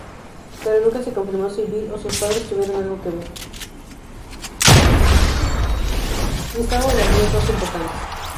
Listado de las vías más importantes.